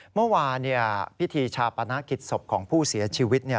เมื่อวานพิธีชาปนกิจศพของผู้เสียชีวิต